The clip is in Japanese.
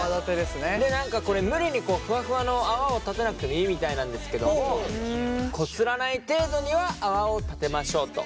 で何かこれ無理にふわふわの泡を立てなくてもいいみたいなんですけどもこすらない程度には泡を立てましょうと。